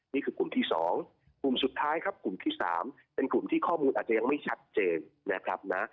นี่คือกลุ่มที่๒กลุ่มสุดท้ายครับกลุ่มที่๓เป็นกลุ่มที่ข้อมูลอาจจะยังไม่ชัดเจนนะครับนะ